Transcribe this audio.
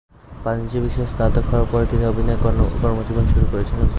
বাণিজ্য বিষয়ে স্নাতক হওয়ার পরে তিনি অভিনয়ে কর্মজীবন শুরু করেছিলেন।